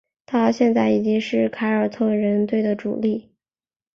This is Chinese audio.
他现在已经是凯尔特人队的主力。